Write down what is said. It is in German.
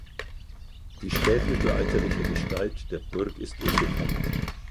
Die spätmittelalterliche Gestalt der Burg ist unbekannt.